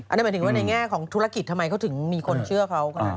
อันนี้หมายถึงว่าในแง่ของธุรกิจทำไมเขาถึงมีคนเชื่อเขาก็